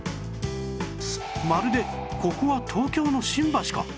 まるでここは東京の新橋か？